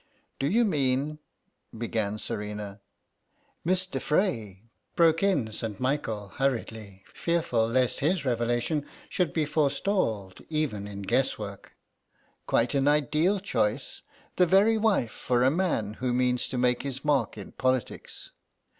"Do you mean—?" began Serena. "Miss de Frey," broke in St. Michael, hurriedly, fearful lest his revelation should be forestalled, even in guesswork; "quite an ideal choice, the very wife for a man who means to make his mark in politics.